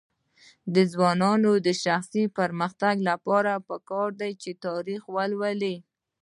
د ځوانانو د شخصي پرمختګ لپاره پکار ده چې تاریخ ولولي.